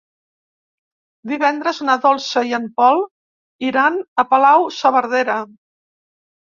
Divendres na Dolça i en Pol iran a Palau-saverdera.